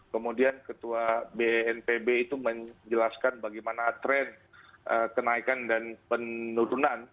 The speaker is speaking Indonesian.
kemudian ketua bnpb itu menjelaskan bagaimana tren kenaikan dan penurunan